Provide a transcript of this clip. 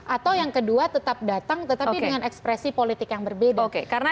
atau yang kedua tetap datang tetapi dengan ekspresi politik yang berbeda